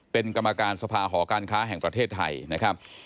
เป็นกรรมการสภาหอการค้าแห่งประเทศไทยนะครับ